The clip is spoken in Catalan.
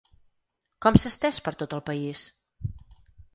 Com s’ha estès per tot el país?